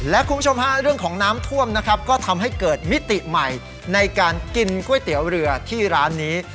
และคุณผู้ชมฮะเรื่องของน้ำท่วมนะครับก็ทำให้เกิดมิติใหม่ในการกินก๋วยเตี๋ยวเรือที่ร้านนี้